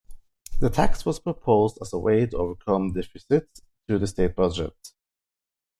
The tax was proposed as a way to overcome deficits to the state budget.